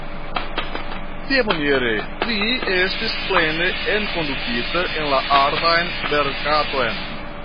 Tiamaniere li estis plene enkondukita en la artan merkaton.